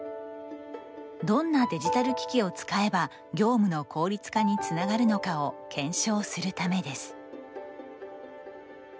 どんなデジタル機器を使えば業務の効率化につながるのかを検証するためです。